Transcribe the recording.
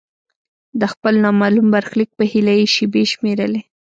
د خپل نامعلوم برخلیک په هیله یې شیبې شمیرلې.